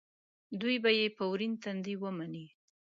دوی به یې په ورین تندي ومني.